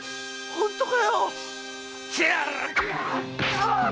本当かよ